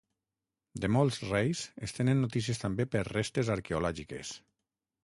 De molts reis, es tenen notícies també per restes arqueològiques.